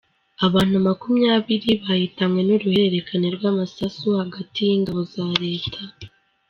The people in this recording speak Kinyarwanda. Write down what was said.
Abantu makumyabiri bahitanwe n’uruhererekane rw’amasasu hagati y’ingabo za Leta